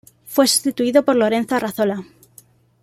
Fue sustituido por Lorenzo Arrazola.